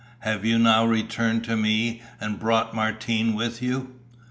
Have you now returned to me and brought Martine with you?"